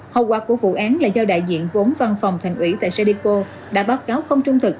hậu quả của vụ án là do đại diện vốn văn phòng thành ủy tại cdipo đã báo cáo không trung thực